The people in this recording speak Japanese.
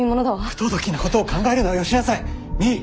不届きなことを考えるのはよしなさい。